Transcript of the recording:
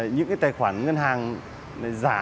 những cái tài khoản ngân hàng giá